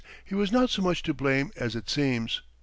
. he was not so much to blame as it seems.